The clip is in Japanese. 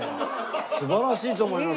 素晴らしいと思いますね。